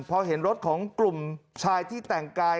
พอเห็นรถของกลุ่มชายที่แต่งกาย